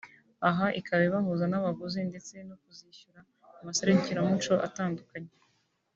aha ikaba ibahuza n’abaguzi ndetse no kuzishyira mu maserukiramuco atandukanye